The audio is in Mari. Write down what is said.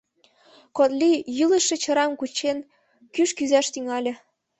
Котли, йӱлышӧ чырам кучен, кӱш кӱзаш тӱҥале.